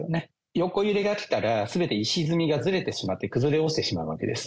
横揺れが来たら、すべて石積みがずれてしまって崩れ落ちてしまうわけです。